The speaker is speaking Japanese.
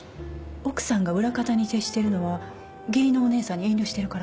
奥さんが裏方に徹しているのは義理のお義姉さんに遠慮してるから？